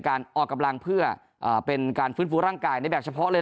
ออกกำลังเพื่อเป็นการฟื้นฟูร่างกายในแบบเฉพาะเลย